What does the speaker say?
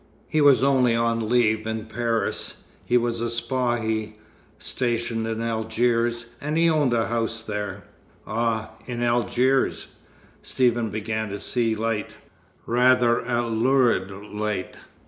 He was only on leave in Paris. He was a Spahi, stationed in Algiers, and he owned a house there." "Ah, in Algiers!" Stephen began to see light rather a lurid light.